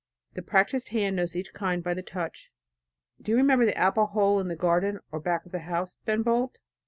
The practiced hand knows each kind by the touch. Do you remember the apple hole in the garden or back of the house, Ben Bolt?